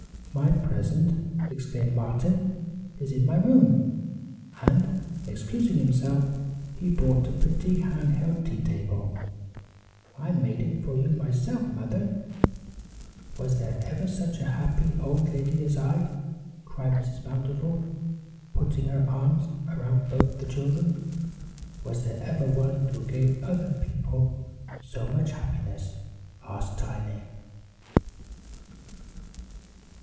"My present," exclaimed Martin, "is in my room," and, excusing himself, he brought a pretty hand carved tea table. "I made it for you myself, Mother." "Was there ever such a happy old lady as I!" cried Mrs. Bountiful, putting her arms around both the children. "Was there ever one who gave other people so much happiness?" asked Tiny.